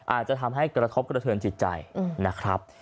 อาจจะทำให้กระทบกระเทินจิตใจนะครับ